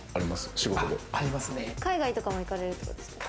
仕事海外とかも行かれるということですか？